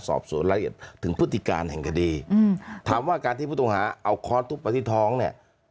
สอบสวนรายละเอียดถึงพฤติการแห่งคดีอืมถามว่าการที่ผู้ต้องหาเอาค้อนทุบไปที่ท้องเนี่ย